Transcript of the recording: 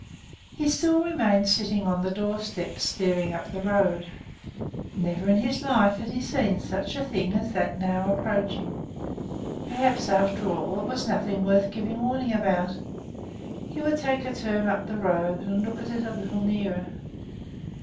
He still remained sitting on the doorstep, staring up the road. Never in his life had he seen such a thing as that now approaching. Perhaps, after all, it was nothing worth giving warning about. He would take a turn up the road and look at it a little nearer.